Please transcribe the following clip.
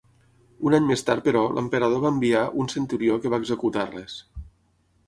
Un any més tard, però, l'emperador va enviar un centurió que va executar-les.